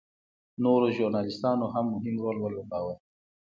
نورو ژورنالېستانو هم مهم رول ولوباوه.